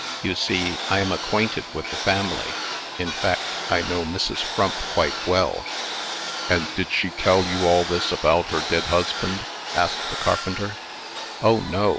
You see I am acquainted with the family. In fact, I know Mrs. Frump quite well." "And did she tell you all this about her dead husband?" asked the carpenter. "Oh, no!"